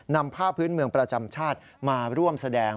นำผ้าพื้นเมืองประจำชาติมาร่วมแสดง